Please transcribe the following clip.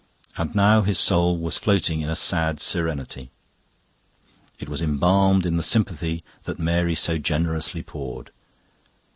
And now his soul was floating in a sad serenity. It was embalmed in the sympathy that Mary so generously poured.